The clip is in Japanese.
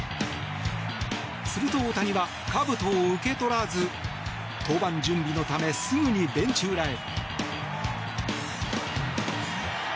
すると、大谷はかぶとを受け取らず登板準備のためすぐにベンチ裏へ。